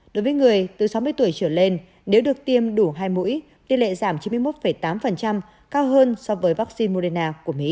đối với người từ sáu mươi tuổi trở lên nếu được tiêm đủ hai mũi tỉ lệ giảm chín mươi một tám cao hơn so với vắc xin moderna